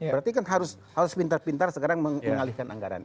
berarti kan harus pintar pintar sekarang mengalihkan anggaran